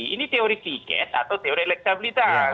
ini teori tiket atau teori elektabilitas